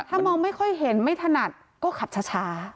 ถ้ามองไม่ค่อยเห็นไม่ถนัดก็ขับช้า